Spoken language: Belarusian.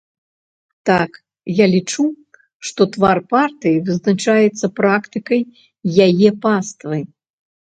Так, я лічу, што твар партыі вызначаецца практыкай яе паствы.